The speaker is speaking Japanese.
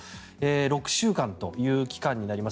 ６週間という期間になります。